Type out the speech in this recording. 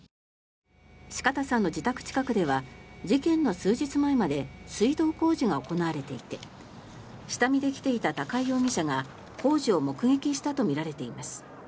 四方さんの自宅近くでは事件の数日前まで水道工事が行われていて下見で来ていた高井容疑者が工事を目撃したとみられています。